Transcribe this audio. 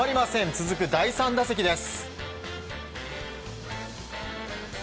続く第３打席です。